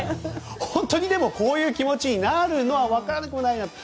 本当にでもこういう気持ちになるのは分からなくもないと。